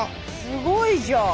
すごいじゃん！